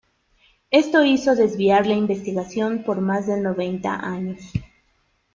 Esto hizo desviar la investigación por más de noventa años.